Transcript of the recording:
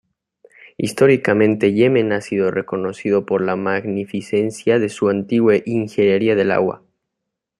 Históricamente, Yemen ha sido reconocido por la magnificencia de su antigua ingeniería del agua.